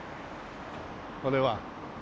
これは。